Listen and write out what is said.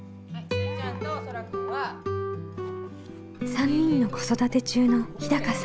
３人の子育て中の日さん。